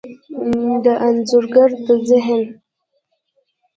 د انځورګر د ذهن،